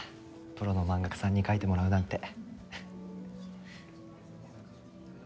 プロの漫画家さんに描いてもらうなんて。